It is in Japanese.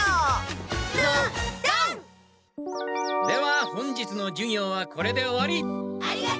では本日の授業はこれで終わり。